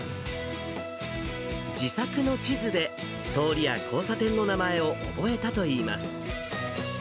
自作の地図で通りや交差点の名前を覚えたといいます。